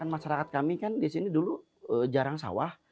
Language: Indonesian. masyarakat kami kan di sini dulu jarang sawah